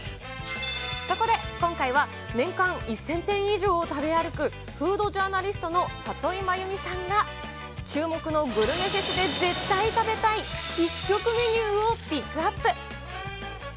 そこで今回は、年間１０００店以上を食べ歩く、フードジャーナリストのさといまゆみさんが、注目のグルメフェスで絶対食べたい、必食メニューをピックアップ。